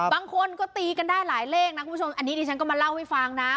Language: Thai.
บางคนก็ตีกันได้หลายเลขนะคุณผู้ชมอันนี้ดิฉันก็มาเล่าให้ฟังนะ